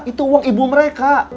itu uang ibu mereka